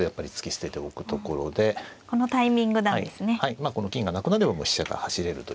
まあこの金がなくなれば飛車が走れるということですね。